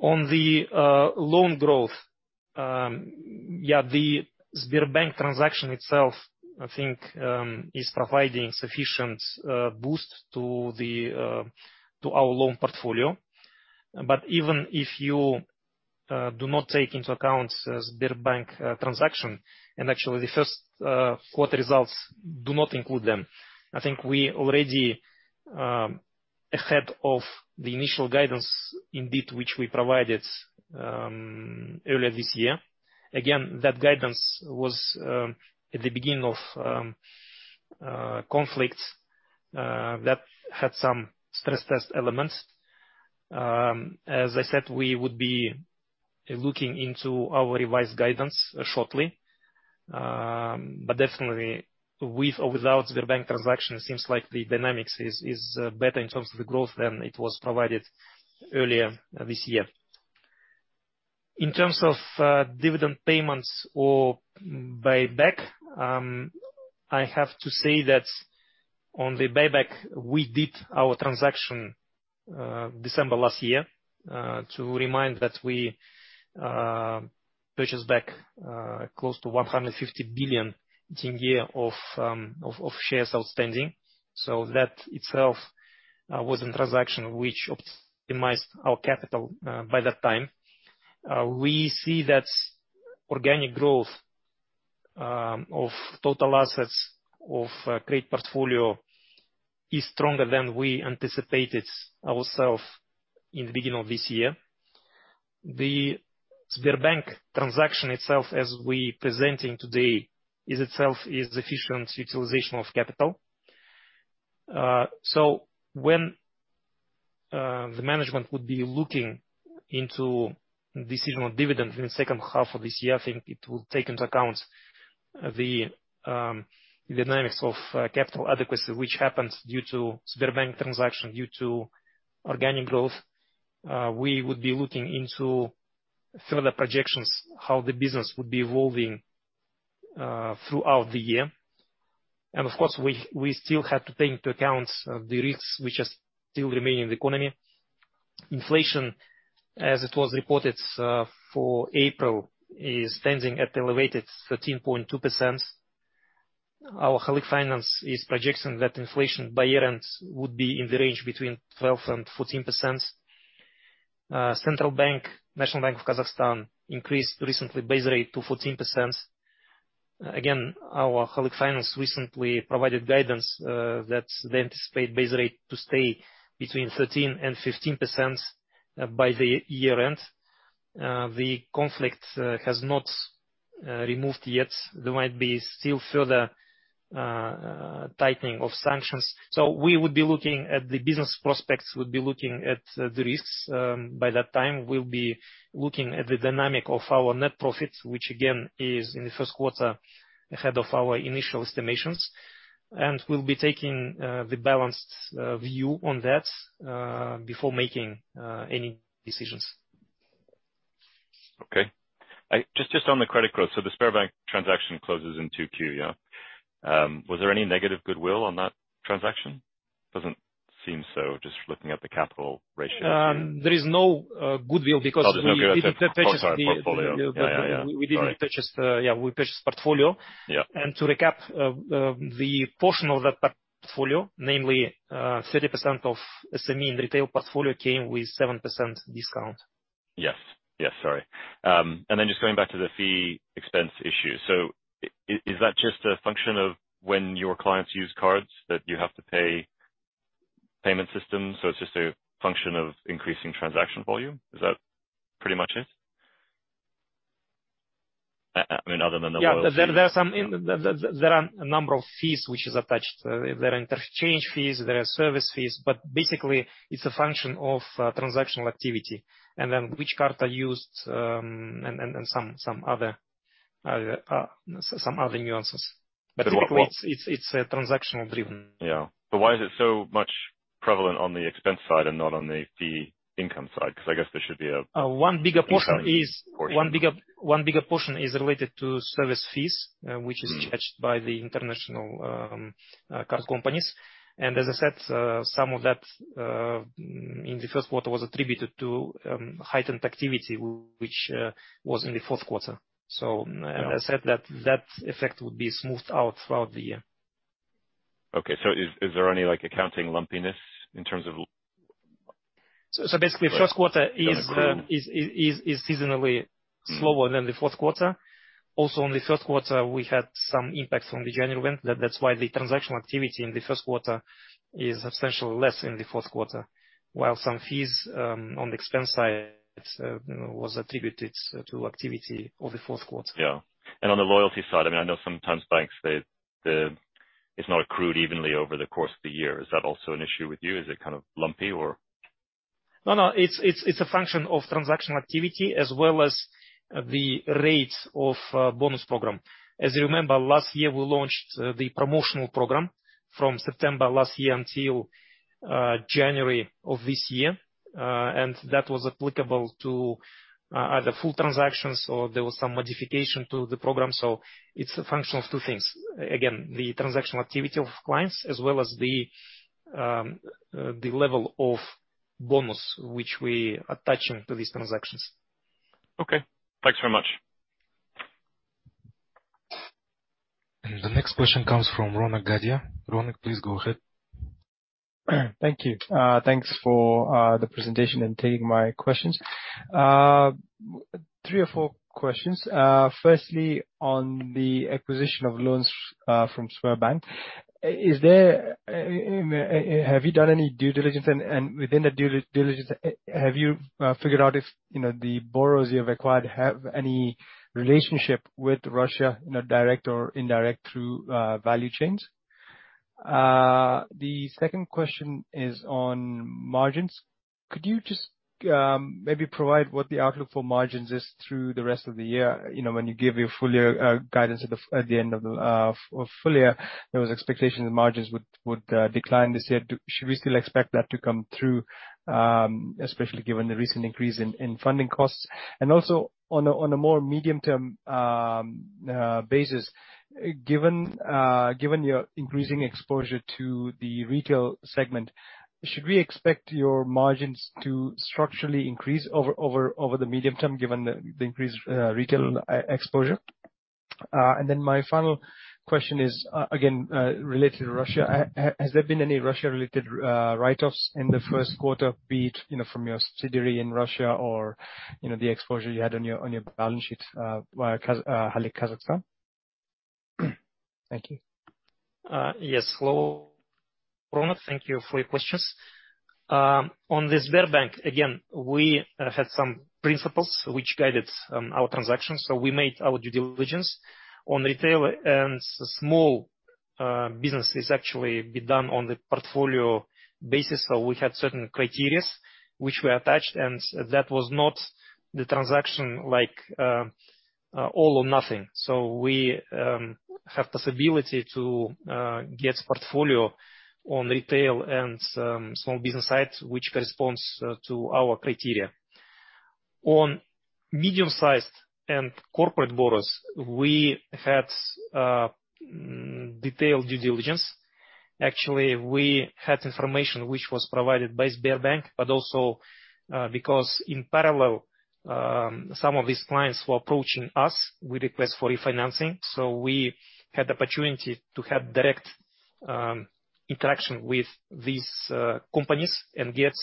On the loan growth, yeah, the Sberbank transaction itself, I think, is providing sufficient boost to our loan portfolio. Even if you do not take into account the Sberbank transaction, and actually the Q1 results do not include them, I think we already ahead of the initial guidance indeed which we provided earlier this year. Again, that guidance was at the beginning of conflict that had some stress test elements. As I said, we would be looking into our revised guidance shortly. Definitely with or without Sberbank transaction, it seems like the dynamics is better in terms of the growth than it was provided earlier this year. In terms of dividend payments or buyback, I have to say that on the buyback, we did our transaction December last year to remind that we purchased back close to KZT 150 billion of shares outstanding. That itself was a transaction which optimized our capital by that time. We see that organic growth of total assets of credit portfolio is stronger than we anticipated ourselves in the beginning of this year. The Sberbank transaction itself, as we presenting today, is efficient utilization of capital. When the management would be looking into decision on dividends in the second half of this year, I think it will take into account the dynamics of capital adequacy, which happens due to Sberbank transaction, due to organic growth. We would be looking into further projections, how the business would be evolving throughout the year. Of course, we still have to take into account the risks which are still remaining in the economy. Inflation, as it was reported, for April, is standing at elevated 13.2%. Our Halyk Finance is projecting that inflation by year-end would be in the range between 12% and 14%. Central bank, National Bank of Kazakhstan, increased recently base rate to 14%. Again, our Halyk Finance recently provided guidance that they anticipate base rate to stay between 13% and 15% by the year end. The conflict has not removed yet. There might be still further tightening of sanctions. We would be looking at the business prospects. We'd be looking at the risks by that time. We'll be looking at the dynamic of our net profits, which again is in the Q1 ahead of our initial estimations. We'll be taking the balanced view on that before making any decisions. Just on the credit growth. The Sberbank transaction closes in 2Q, yeah? Was there any negative goodwill on that transaction? Doesn't seem so, just looking at the capital ratio. There is no goodwill because we purchased the Oh, there's no goodwill. Sorry. Portfolio. Yeah. Sorry. Yeah, we purchased portfolio. Yeah. To recap, the portion of that portfolio, namely, 30% of SME and retail portfolio came with 7% discount. Yes, yes. Sorry. Just going back to the fee expense issue. Is that just a function of when your clients use cards that you have to pay payment systems, so it's just a function of increasing transaction volume? Is that pretty much it? I mean, other than the loyalty- Yeah. There are a number of fees which is attached. There are interchange fees, there are service fees. But basically, it's a function of transactional activity and then which card are used, and some other nuances. What? Basically, it's transactional driven. Yeah. Why is it so much prevalent on the expense side and not on the fee income side? One bigger portion is related to service fees, which is charged by the international card companies. As I said, some of that in the Q1 was attributed to heightened activity, which was in the Q4. As I said, that effect will be smoothed out throughout the year. Okay. Is there any, like, accounting lumpiness in terms of? Basically the Q1 is seasonally slower than the Q4. Also, in the Q1, we had some impact from the general event. That's why the transactional activity in the Q1 is substantially less than the Q4. While some fees on the expense side, you know, was attributed to activity of the Q4. Yeah. On the loyalty side, I mean, I know sometimes banks. It's not accrued evenly over the course of the year. Is that also an issue with you? Is it kind of lumpy or? No, no. It's a function of transactional activity as well as the rates of bonus program. As you remember, last year, we launched the promotional program from September last year until January of this year. That was applicable to either full transactions or there was some modification to the program. It's a function of two things. Again, the transactional activity of clients, as well as the level of bonus which we are attaching to these transactions. Okay. Thanks very much. The next question comes from Ronak Gadhia. Ronak, please go ahead. Thank you. Thanks for the presentation and taking my questions. Three or four questions. Firstly, on the acquisition of loans from Sberbank, have you done any due diligence? And within the due diligence, have you figured out if, you know, the borrowers you have acquired have any relationship with Russia, you know, direct or indirect, through value chains? The second question is on margins. Could you just maybe provide what the outlook for margins is through the rest of the year? You know, when you gave your full year guidance at the end of the full year, there was expectation the margins would decline this year. Should we still expect that to come through, especially given the recent increase in funding costs? Also, on a more medium-term basis, given your increasing exposure to the retail segment, should we expect your margins to structurally increase over the medium term given the increased retail exposure? Then my final question is, again, related to Russia. Has there been any Russia-related write-offs in the Q1, be it, you know, from your subsidiary in Russia or, you know, the exposure you had on your balance sheet via Halyk Bank? Thank you. Yes. Hello, Ronak Gadhia. Thank you for your questions. On the Sberbank, again, we had some principles which guided our transactions. We made our due diligence on retail and small businesses actually be done on the portfolio basis. We had certain criteria which were attached, and that was not the transaction like all or nothing. We have possibility to get portfolio on retail and small business side, which corresponds to our criteria. On medium-sized and corporate borrowers, we had detailed due diligence. Actually, we had information which was provided by Sberbank, but also, because in parallel, some of these clients were approaching us with request for refinancing. We had the opportunity to have direct interaction with these companies and get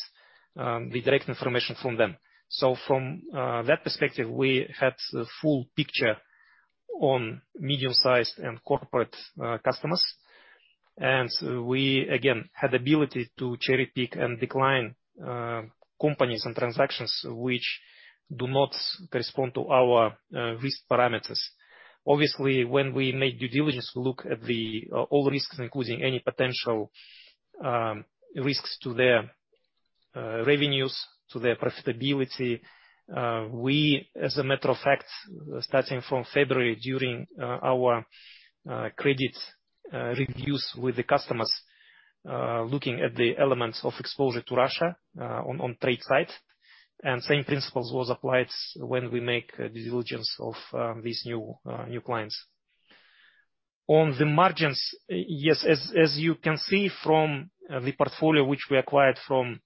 the direct information from them. From that perspective, we had the full picture on medium-sized and corporate customers. We again had the ability to cherry-pick and decline companies and transactions which do not correspond to our risk parameters. Obviously, when we make due diligence look at all risks, including any potential risks to their revenues, to their profitability, we as a matter of fact, starting from February during our credit reviews with the customers, looking at the elements of exposure to Russia on trade side. Same principles was applied when we make due diligence of these new clients. On the margins, yes, as you can see from the portfolio which we acquired from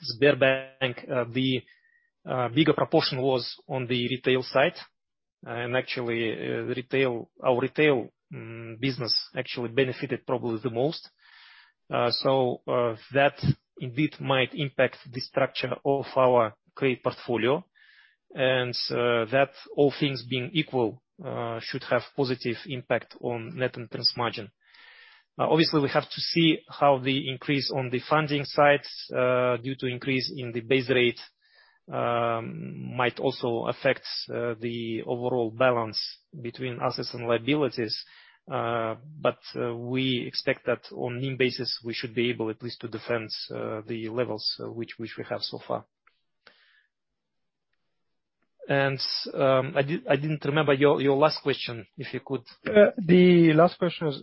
Sberbank, the bigger proportion was on the retail side. Actually, our retail business actually benefited probably the most. That indeed might impact the structure of our credit portfolio, and that all things being equal, should have positive impact on net interest margin. Obviously, we have to see how the increase on the funding side due to increase in the base rate might also affect the overall balance between assets and liabilities. We expect that on mean basis, we should be able at least to defend the levels which we have so far. I didn't remember your last question, if you could. The last question was,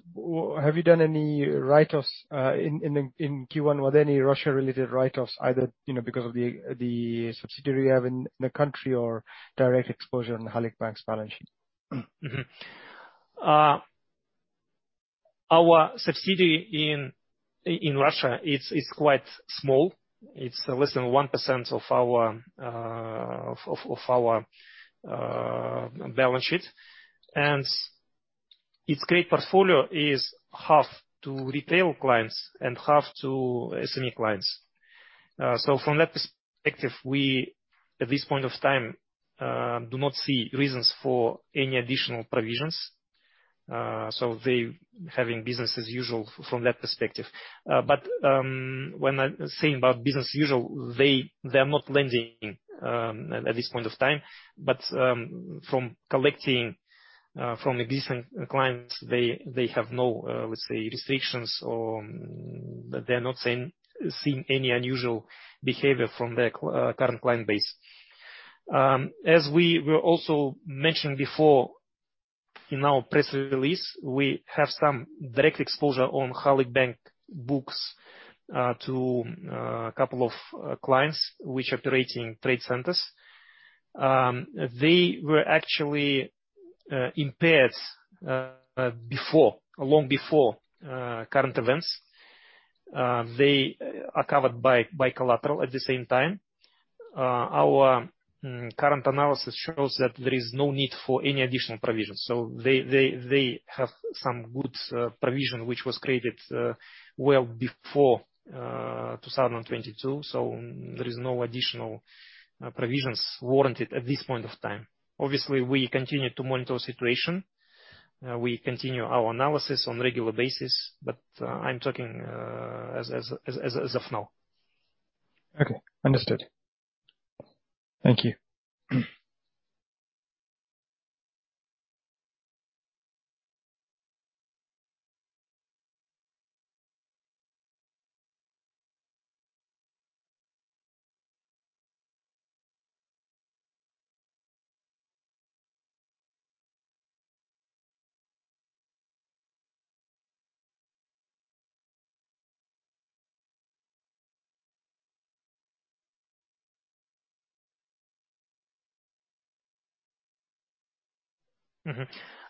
have you done any write-offs in Q1? Were there any Russia-related write-offs, either because of the subsidiary you have in the country or direct exposure on Halyk Bank's balance sheet? Our subsidiary in Russia, it's quite small. It's less than 1% of our balance sheet. Its credit portfolio is half to retail clients and half to SME clients. From that perspective, we at this point of time do not see reasons for any additional provisions. They are having business as usual from that perspective. When saying about business as usual, they are not lending at this point of time. From collecting from existing clients, they have no restrictions or they are not seeing any unusual behavior from their current client base. As we were also mentioning before in our press release, we have some direct exposure on Halyk Bank books to a couple of clients which operate in trade centers. They were actually impaired before, long before current events. They are covered by collateral at the same time. Our current analysis shows that there is no need for any additional provisions. They have some good provision which was created well before 2022. There is no additional provisions warranted at this point of time. Obviously, we continue to monitor situation. We continue our analysis on regular basis, but I'm talking as of now. Okay, understood. Thank you.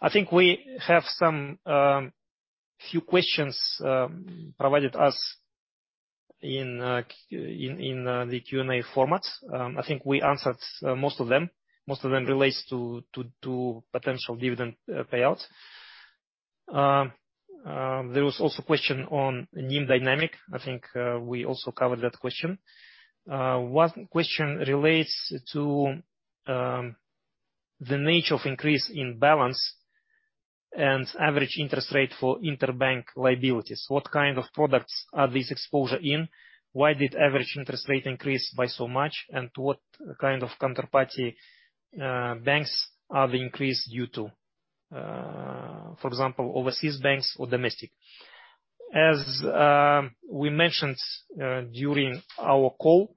I think we have a few questions provided to us in the Q&A format. I think we answered most of them. Most of them relates to potential dividend payouts. There was also a question on NIM dynamic. I think we also covered that question. One question relates to the nature of increase in balance and average interest rate for interbank liabilities. What kind of products are these exposure in? Why did average interest rate increase by so much, and what kind of counterparty banks are the increase due to? For example, overseas banks or domestic? As we mentioned during our call,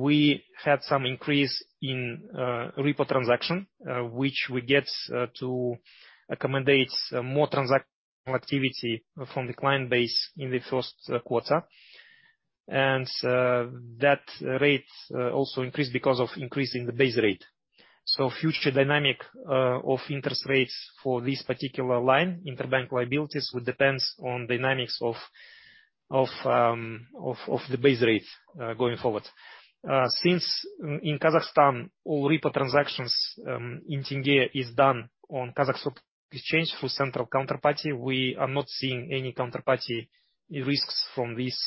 we had some increase in repo transaction which we get to accommodate more transaction activity from the client base in the Q1. That rate also increased because of increase in the base rate. Future dynamics of interest rates for this particular line, interbank liabilities, will depend on dynamics of the base rate going forward. Since in Kazakhstan, all repo transactions in tenge are done on Kazakhstan exchange through central counterparty, we are not seeing any counterparty risks from these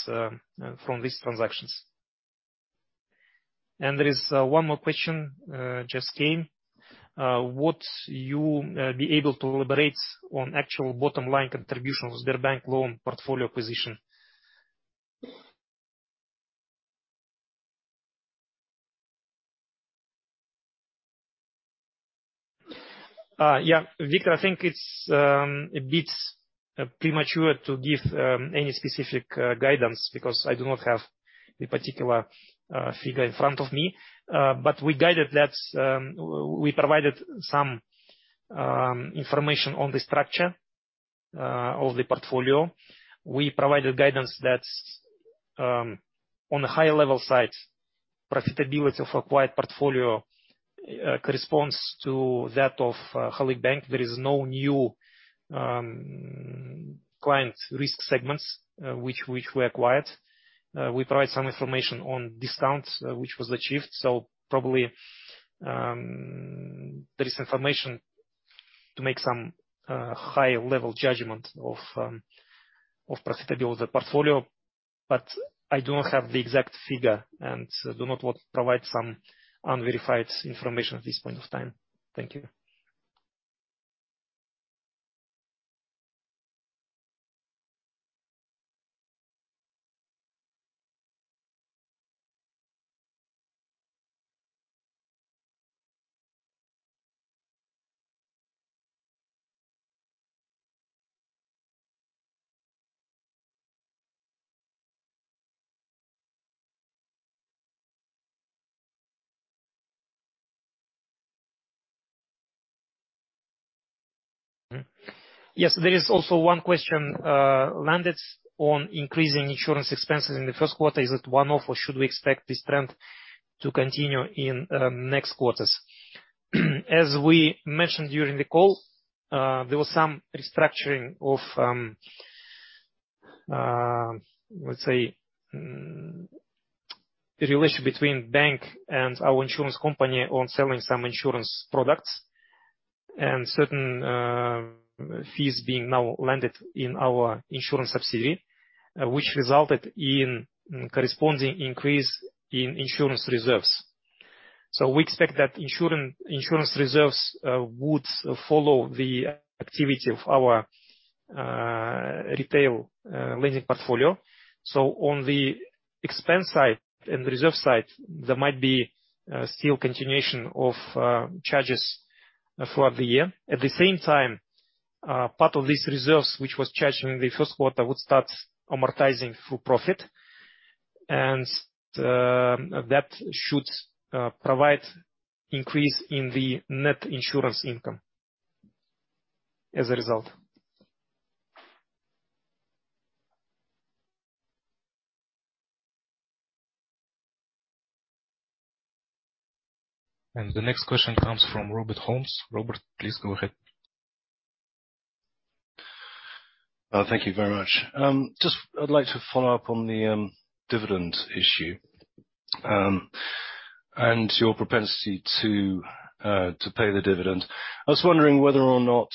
transactions. There is one more question just came. Would you be able to elaborate on actual bottom line contributions to their bank loan portfolio position? Yeah. Viktor, I think it's a bit premature to give any specific guidance because I do not have the particular figure in front of me. But we guided that we provided some information on the structure of the portfolio. We provided guidance that, on the high level side, profitability of acquired portfolio, corresponds to that of, Halyk Bank. There is no new, client risk segments, which we acquired. We provide some information on discounts which was achieved. Probably, there is information to make some, high level judgment of profitability of the portfolio, but I do not have the exact figure and do not want to provide some unverified information at this point of time. Thank you. Yes, there is also one question, landed on increasing insurance expenses in the Q1. Is it one-off or should we expect this trend to continue in, next quarters? As we mentioned during the call, there was some restructuring of, let's say, the relationship between bank and our insurance company on selling some insurance products and certain fees being now landed in our insurance subsidiary, which resulted in corresponding increase in insurance reserves. We expect that insurance reserves would follow the activity of our retail lending portfolio. On the expense side and reserve side, there might be still continuation of charges throughout the year. At the same time, part of these reserves, which was charged during the Q1, would start amortizing through profit, and that should provide increase in the net insurance income as a result. The next question comes from Robert Holmes. Robert, please go ahead. Thank you very much. Just I'd like to follow up on the dividend issue, and your propensity to pay the dividend. I was wondering whether or not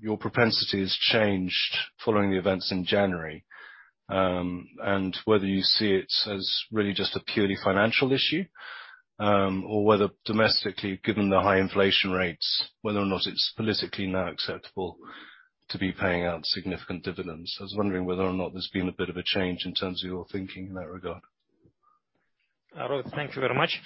your propensity has changed following the events in January, and whether you see it as really just a purely financial issue, or whether domestically, given the high inflation rates, whether or not it's politically now acceptable to be paying out significant dividends. I was wondering whether or not there's been a bit of a change in terms of your thinking in that regard. Robert, thank you very much.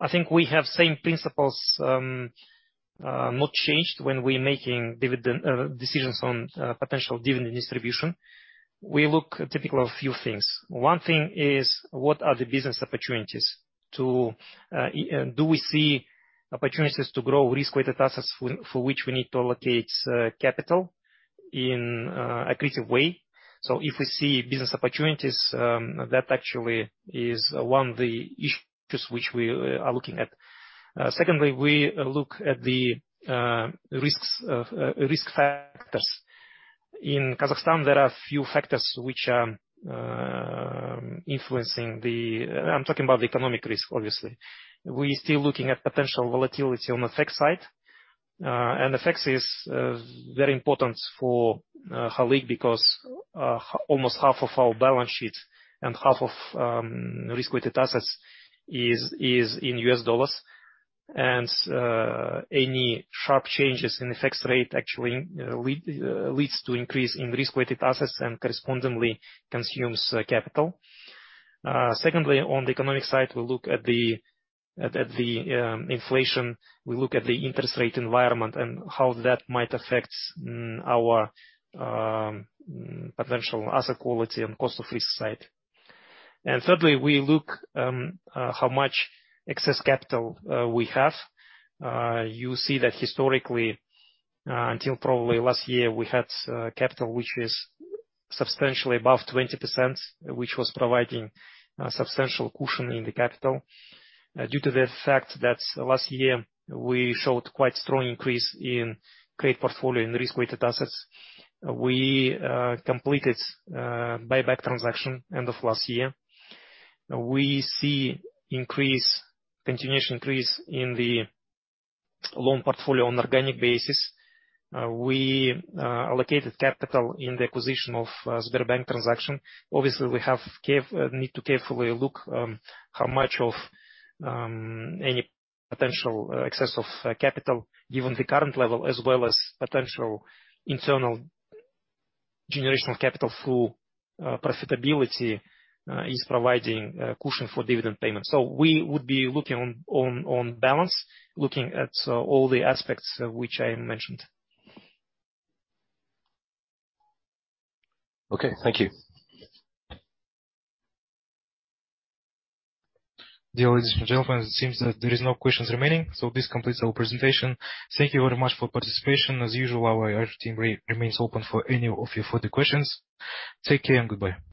I think we have same principles not changed when we're making dividend decisions on potential dividend distribution. We look typically at a few things. One thing is, what are the business opportunities to do we see opportunities to grow risk-weighted assets for which we need to allocate capital in aggressive way? If we see business opportunities, that actually is one of the issues which we are looking at. Secondly, we look at the risks, risk factors. In Kazakhstan, there are a few factors which influencing the. I'm talking about the economic risk, obviously. We're still looking at potential volatility on the FX side. FX is very important for Halyk because almost half of our balance sheet and half of risk-weighted assets is in US dollars. Any sharp changes in FX rate actually leads to increase in risk-weighted assets and correspondingly consumes capital. Secondly, on the economic side, we look at the inflation, we look at the interest rate environment and how that might affect our potential asset quality and cost of risk side. Thirdly, we look how much excess capital we have. You see that historically, until probably last year, we had capital which is substantially above 20%, which was providing substantial cushion in the capital. Due to the fact that last year we showed quite strong increase in credit portfolio and risk-weighted assets. We completed buyback transaction end of last year. We see continuation increase in the loan portfolio on organic basis. We allocated capital in the acquisition of Sberbank transaction. Obviously, we have need to carefully look how much of any potential excess of capital given the current level as well as potential internal generation of capital through profitability is providing a cushion for dividend payment. We would be looking on balance, looking at all the aspects which I mentioned. Okay, thank you. Dear ladies and gentlemen, it seems that there is no questions remaining, so this completes our presentation. Thank you very much for participation. As usual, our IR team remains open for any of your further questions. Take care and goodbye.